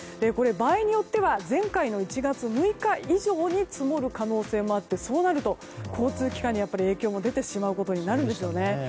場合によっては前回の１月６日以上に積もる可能性もあってそうなると交通機関に影響が出てしまうことになるんですね。